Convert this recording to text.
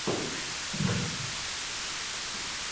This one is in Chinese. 中观学派为他们的直系后裔。